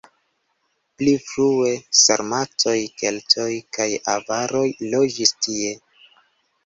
Pli frue sarmatoj, keltoj kaj avaroj loĝis tie.